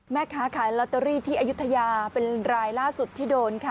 แม่ค้าขายลอตเตอรี่ที่อายุทยาเป็นรายล่าสุดที่โดนค่ะ